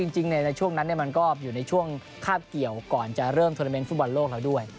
จริงในช่วงนั้นมันก็อยู่ในช่วงคาบเกี่ยวก่อนจะเริ่มโทรเมนต์ฟุตบอลโลกแล้วด้วย